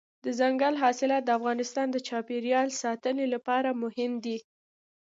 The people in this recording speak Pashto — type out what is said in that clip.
دځنګل حاصلات د افغانستان د چاپیریال ساتنې لپاره مهم دي.